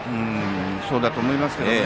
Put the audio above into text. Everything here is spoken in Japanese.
そうだと思いますけどね。